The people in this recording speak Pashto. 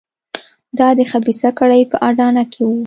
دا د خبیثه کړۍ په اډانه کې وو.